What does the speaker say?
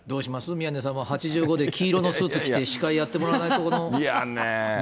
宮根さんも８５で黄色のスーツ着て司会やってもらわないと。